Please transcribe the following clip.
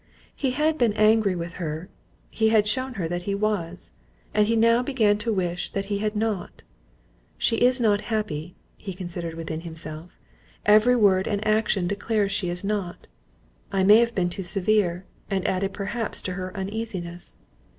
He had been angry with her, he had shewn her that he was, and he now began to wish that he had not. She is not happy, (he considered within himself) every word and action declares she is not; I may have been too severe, and added perhaps to her uneasiness.